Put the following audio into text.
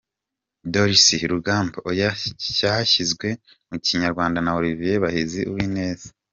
Dorcy Rugamba : Oya cyashyizwe mu Kinyarwanda na Olivier Bahizi Uwineza.